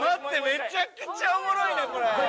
めちゃくちゃおもろいねこれ！